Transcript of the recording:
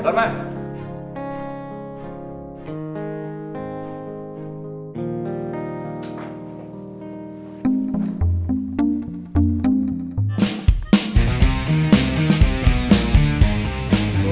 cepat ganti baju